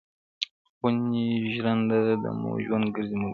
خوني ژرنده مو د ژوند ګرځي ملګرو,